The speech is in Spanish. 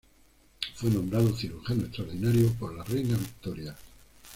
Fue nombrado Cirujano Extraordinario por la reina Victoria.